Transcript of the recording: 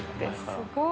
すごい。